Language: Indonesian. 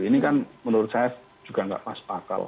ini kan menurut saya juga nggak pas akal